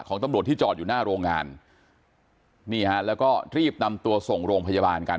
ตำรวจที่จอดอยู่หน้าโรงงานนี่ฮะแล้วก็รีบนำตัวส่งโรงพยาบาลกัน